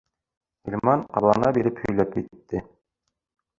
Ғилман ҡабалана биреп һөйләп китте: